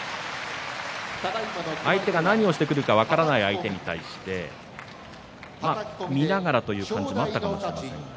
相手が何をしてくるか分からない相手に対して見ながらという感じもあったかもしれません。